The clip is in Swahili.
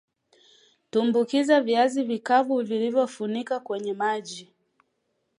Tumbukiza viazi vikavu ulivyovifunika kwenye maji